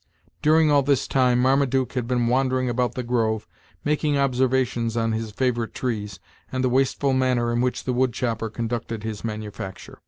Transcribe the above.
During all this time, Marmaduke had been wandering about the grove, making observations on his favorite trees, and the wasteful manner in which the wood chopper conducted his manufacture.